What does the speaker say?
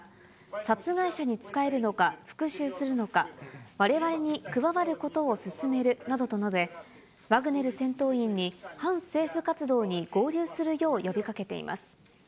殺害者に仕えるのか、復しゅうするのか、われわれに加わることを勧めるなどと述べ、ワグネル戦闘員に反政府活動に合流するよう呼びかけています。